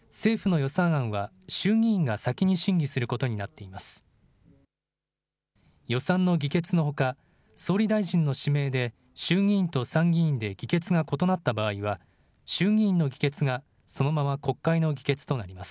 予算の議決のほか、総理大臣の指名で、衆議院と参議院で議決が異なった場合は、衆議院の議決がそのまま国会の議決となります。